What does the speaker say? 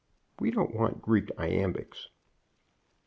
We don't want Greek iambics."